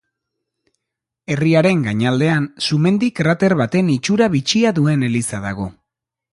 Herriaren gainaldean sumendi krater baten itxura bitxia duen eliza dago.